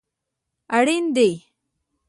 اړین دي